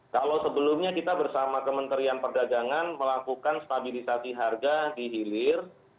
kalau sebelumnya kita bersama kementerian perdagangan melakukan stabilisasi harga di hilir